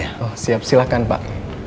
oh siap silakan pak